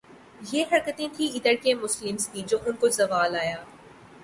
یہ حرکتیں تھیں ادھر کے مسلمز کی جو ان کو زوال آیا